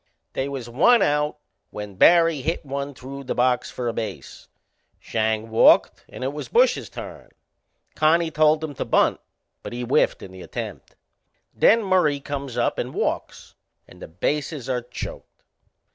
They was one out when Barry hit one through the box for a base. Schang walked, and it was Bush's turn. Connie told him to bunt, but he whiffed in the attempt. Then Murphy comes up and walks and the bases are choked.